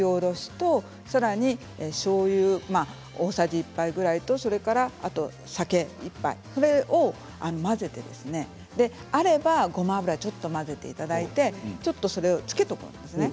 それにさらに、しょうゆ大さじ１杯ぐらいとお酒を１杯それも混ぜてあればごま油ちょっと混ぜていただいてそれを漬けておくんですね。